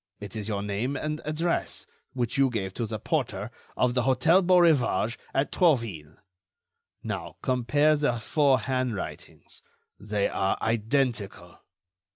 it is your name and address, which you gave to the porter of the Hôtel Beaurivage at Trouville. Now, compare the four handwritings. They are identical."